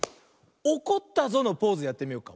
「おこったぞ」のポーズやってみようか。